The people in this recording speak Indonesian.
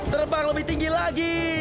terbang lebih tinggi lagi